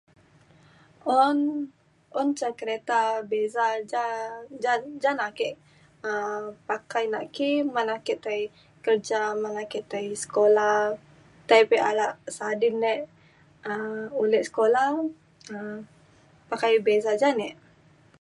un un ca kereta Bezza ja ja na ake um pakai nak ki ban ake tai kerja malai ke tai sekula tai pa alak sadin e um ulek sekula um pakai Bezza ja ne